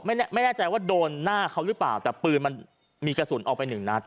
ไม่แน่ใจว่าโดนหน้าเขาหรือเปล่าแต่ปืนมันมีกระสุนออกไปหนึ่งนัด